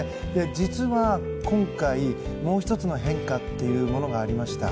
実は、今回もう１つの変化というものがありました。